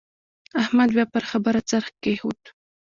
احمد بيا پر خبره څرخ کېښود.